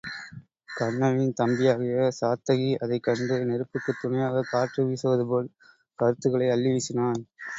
கண்ணனின் தம்பியாகிய சாத்தகி அதைக் கண்டு நெருப்புக்குத் துணையாகக் காற்று வீசுவதுபோல் கருத் துகளை அள்ளி வீசினான்.